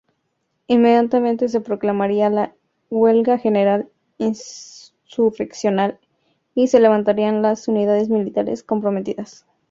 Inmediatamente se proclamaría la huelga general insurreccional y se levantarían las unidades militares comprometidas.